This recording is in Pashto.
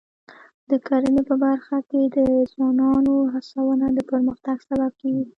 د کرنې په برخه کې د ځوانانو هڅونه د پرمختګ سبب کېږي.